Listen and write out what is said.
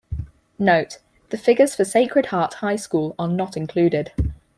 Note: The figures for Sacred Heart High School are not included.